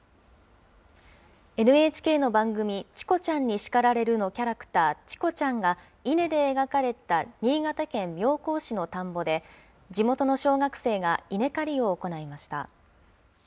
ＮＨＫの番組、チコちゃんに叱られる！のキャラクター、チコちゃんが、稲で描かれた新潟県妙高市の田んぼで、地元の小学生が稲刈りを行いました。